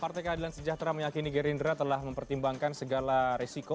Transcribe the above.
partai keadilan sejahtera meyakini gerindra telah mempertimbangkan segala risiko